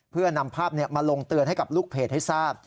เพื่อนำภาพมาลงเตือนให้กับลูกเพจให้ทราบ